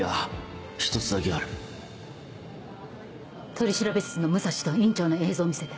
取調室の武蔵と院長の映像を見せて。